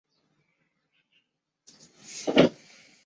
复齿脂鲤科为辐鳍鱼纲脂鲤目的一个科。